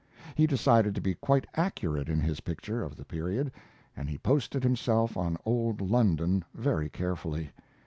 He decided to be quite accurate in his picture of the period, and he posted himself on old London very carefully.